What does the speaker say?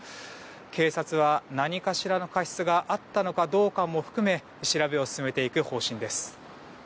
警察は、何かしらの過失があったかどうかも含め調べを進めていく方針です。